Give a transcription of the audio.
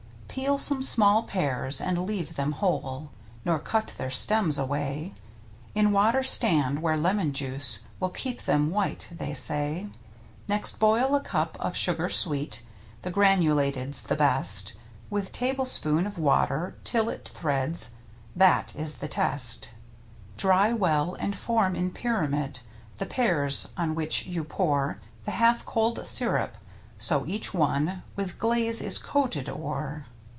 Peel some small pears, and leave them whole, Nor cut their stems away, In water stand, where lemon juice Will keep them white, they say. Next boil a cup of sugar sweet — The granulated's best — With tablespoon of water, till It threads. That is the test! Dry well, and form in pyramid The pears, on which you pour The half cold sirup, so each one With glaze is coated o'er.